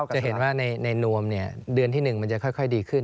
จะเห็นว่าในนวมเดือนที่๑มันจะค่อยดีขึ้น